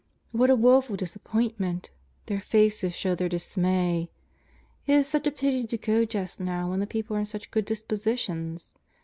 ^Vhat a woeful dis appointment ! Their faces show their dismay. It is such a pity to go just now when the people are in such good dispositions.